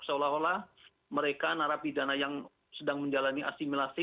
seolah olah mereka narap pidana yang sedang menjalani asimilasi